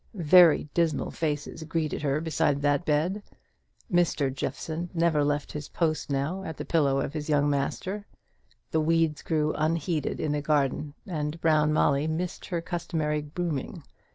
Very dismal faces greeted her beside that bed. Mr. Jeffson never left his post now at the pillow of his young master. The weeds grew unheeded in the garden; and Brown Molly missed her customary grooming.